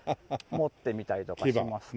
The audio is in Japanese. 持ってみたりとかしますか？